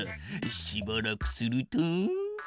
しばらくすると。